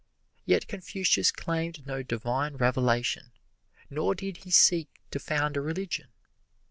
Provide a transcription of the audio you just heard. Yet Confucius claimed no "divine revelation," nor did he seek to found a religion.